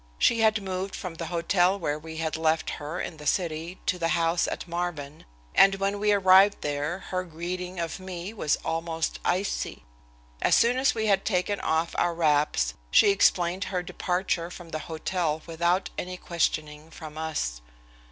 She had moved from the hotel where we had left her in the city to the house at Marvin, and when we arrived there her greeting of me was almost icy. As soon as we had taken off our wraps, she explained her departure from the hotel without any questioning from us.